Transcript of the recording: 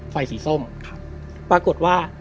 ไฟสีส้มปรากฏว่า